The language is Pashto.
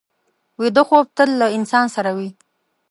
ویده خوب تل له انسان سره وي